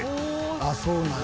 あっそうなんや。